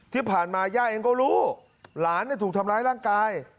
ที่ผ่านมาย่าเองก็รู้หลานถูกทำร้ายร่างกาย